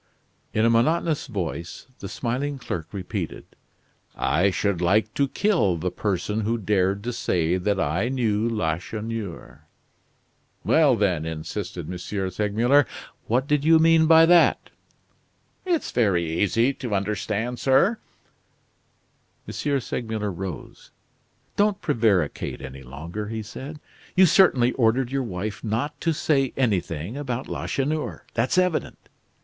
In a monotonous voice, the smiling clerk repeated: "I should like to kill the person who dared to say that I knew Lacheneur." "Well, then!" insisted M. Segmuller, "what did you mean by that?" "It's very easy to understand, sir." M. Segmuller rose. "Don't prevaricate any longer," he said. "You certainly ordered your wife not to say anything about Lacheneur. That's evident.